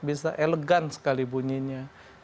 bisa elegan sekali bunyinya